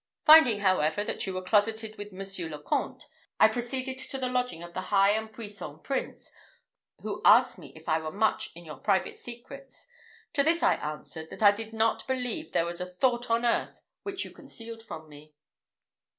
Finding, however, that you were closeted with Monsieur le Comte, I proceeded to the lodging of the high and puissant Prince, who asked me if I were much in your private secrets. To this I answered, that I did not believe there was a thought on earth which you concealed from me."